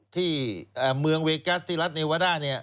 ที่เมืองเวกัสที่รัฐเนวาด้า